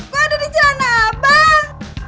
kok ada di celana abang